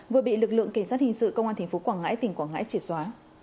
vừa bị lực lượng kỳ sát hình sự công an thành phố quảng ngãi tỉnh quảng ngãi chỉ xóa